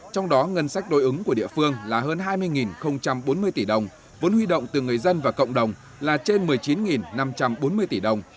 trong đó ngân sách đối ứng của địa phương là hơn hai mươi bốn mươi tỷ đồng vốn huy động từ người dân và cộng đồng là trên một mươi chín năm trăm bốn mươi tỷ đồng